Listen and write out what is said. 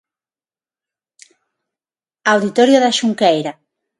Auditorio da Xunqueira.